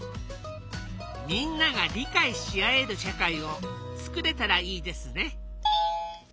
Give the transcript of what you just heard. みんなが理解し合える社会を作れたらいいですね。